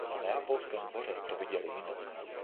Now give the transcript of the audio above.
Na neapolském dvoře to viděli jinak.